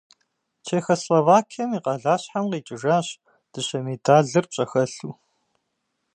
Чехословакием и къалащхьэм къикӀыжащ дыщэ медалыр пщӀэхэлъу.